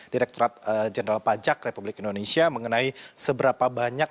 direkturat jenderal pajak republik indonesia mengenai seberapa banyak